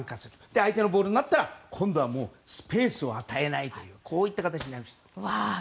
相手のボールになったら今度は、スペースを与えないという形になりました。